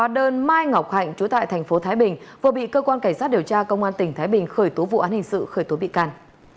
hóa đơn mai ngọc hạnh trú tại tp thái bình vừa bị cơ quan cảnh sát điều tra công an tỉnh thái bình khởi tố vụ án hình sự khởi tố bị can